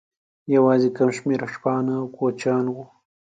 یوازې کم شمېر شپانه او کوچیان وو.